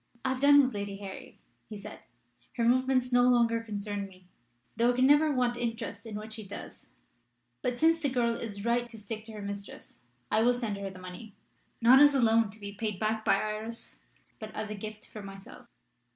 'I have done with Lady Harry,' he said. 'Her movements no longer concern me, though I can never want interest in what she does. But since the girl is right to stick to her mistress, I will send her the money not as a loan to be paid back by Iris, but as a gift from myself.'